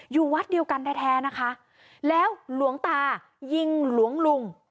อยู่วัดเดียวกันแท้แท้นะคะแล้วหลวงตายิงหลวงลุง